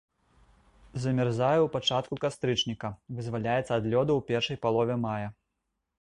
Замярзае ў пачатку кастрычніка, вызваляецца ад лёду ў першай палове мая.